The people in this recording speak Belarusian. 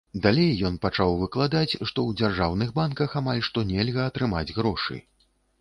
Далей ён пачаў выкладаць, што ў дзяржаўных банках амаль што нельга атрымаць грошы.